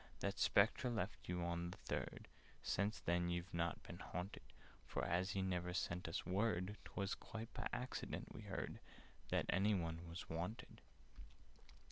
"That Spectre left you on the Third— Since then you've not been haunted: For, as he never sent us word, 'Twas quite by accident we heard That any one was wanted.